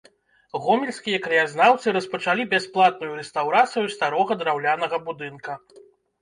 Гомельскія краязнаўцы распачалі бясплатную рэстаўрацыю старога драўлянага будынка.